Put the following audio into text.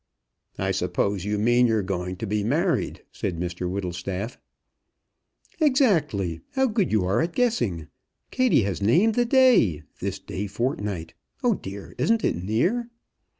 "I suppose you mean you're going to be married," said Mr Whittlestaff. "Exactly. How good you are at guessing! Kattie has named the day. This day fortnight. Oh dear, isn't it near?"